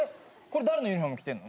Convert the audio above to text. これ誰のユニホーム着てんの？